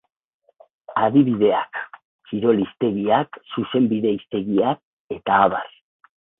Adibideak: kirol hiztegiak, zuzenbide hiztegiak, eta abar.